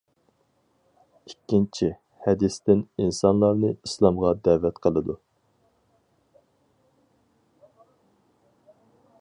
ئىككىنچى «ھەدىس» تىن: «ئىنسانلارنى ئىسلامغا دەۋەت قىلىدۇ» .